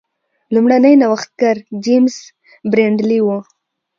لومړنی نوښتګر جېمز برینډلي و.